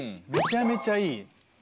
めちゃめちゃいい！